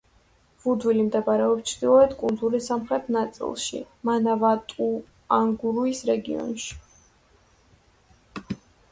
ვუდვილი მდებარეობს ჩრდილოეთ კუნძულის სამხრეთ ნაწილში, მანავატუ-უანგანუის რეგიონში.